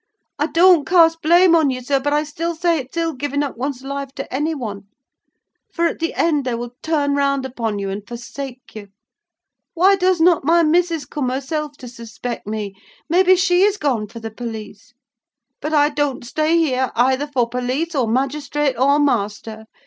I don't cast blame on you, sir, but I say it's ill giving up one's life to any one; for, at the end, they will turn round upon you, and forsake you. Why does not my missus come herself to suspect me? Maybe she is gone for the police? But I don't stay here, either for police, or magistrate, or master.